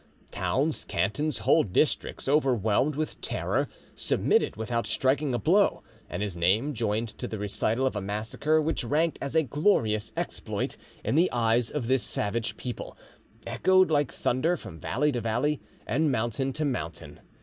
Towns, cantons, whole districts, overwhelmed with terror, submitted without striking a blow, and his name, joined to the recital of a massacre which ranked as a glorious exploit in the eyes of this savage people, echoed like thunder from valley to valley and mountain to mountain.